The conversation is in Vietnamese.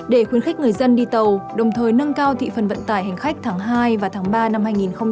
để khuyến khích người dân đi tàu đồng thời nâng cao thị phần vận tải hành khách tháng hai và tháng ba năm hai nghìn hai mươi